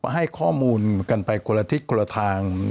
ให้ข้อมูลกันไปคนละทิศคนละทาง